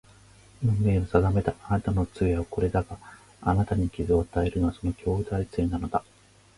運命の定めだ。あなたの杖はこれだが、あなたに傷を与えたのはその兄弟杖なのだ